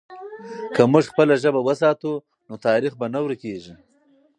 که موږ خپله ژبه وساتو، نو تاریخ به نه ورکېږي.